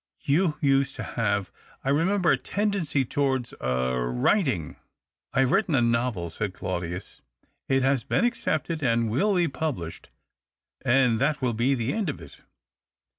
You used to have, I remember, a tendency tow^ards — er — writing." " I have written a novel," said Claudius. " It has been accepted, and will be published — and that will be the end of it."